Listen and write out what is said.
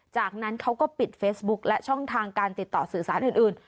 จากนั้นเขาก็ปิดเฟซบุ๊คและช่องทางการติดต่อสื่อสารอื่น